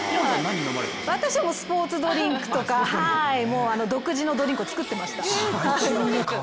私はスポーツドリンクとか独自のドリンクを作っていました。